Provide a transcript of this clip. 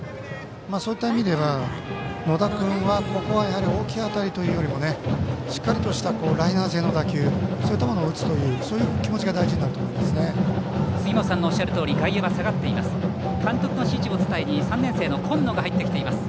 そういった意味では野田君は大きい当たりというよりしっかりとしたライナー性の打球を打つという気持ちが大事になると思います。